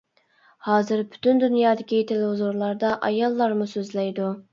ھازىر پۈتۈن دۇنيادىكى تېلېۋىزورلاردا ئاياللارمۇ سۆزلەيدۇ.